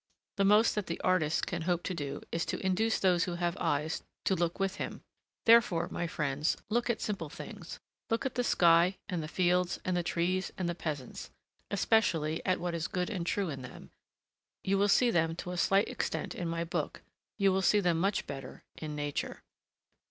The most that the artist can hope to do is to induce those who have eyes to look with him. Therefore, my friends, look at simple things, look at the sky and the fields and the trees and the peasants, especially at what is good and true in them: you will see them to a slight extent in my book, you will see them much better in nature.